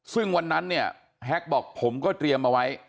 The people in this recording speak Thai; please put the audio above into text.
ซึ่งวันนั้นเนี่ยแฮ็กบอกผมก็เตรียมเอาไว้